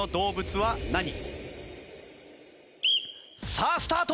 さあスタート！